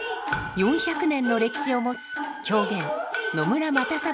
４００年の歴史を持つ狂言野村又三郎